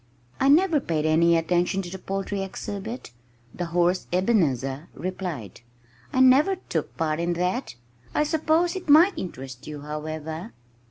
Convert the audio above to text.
"I never paid any attention to the poultry exhibit," the horse Ebenezer replied. "I never took part in that. I suppose it might interest you, however."